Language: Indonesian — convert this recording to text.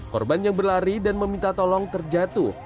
korban yang berlari dan meminta tolong terjatuh